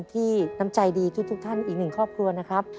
น้ำใจดีทุกท่านอีกหนึ่งครอบครัวนะครับ